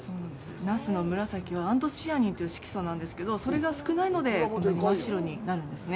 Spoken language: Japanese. ナスの紫はアントシアニンという色素なんですけど、それが少ないので、こんなに真っ白になるんですね。